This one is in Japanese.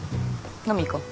飲み行こう。